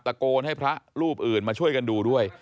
ตะโกนให้พระรูปอื่นมาช่วยกันดูด้วย